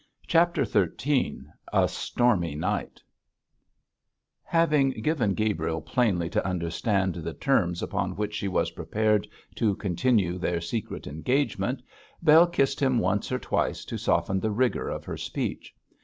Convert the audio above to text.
CHAPTER XIII A STORMY NIGHT Having given Gabriel plainly to understand the terms upon which she was prepared to continue their secret engagement, Bell kissed him once or twice to soften the rigour of her speech.